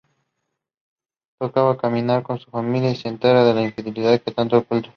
Todo cambiará cuando su familia se entere de la infidelidad que tanto oculta.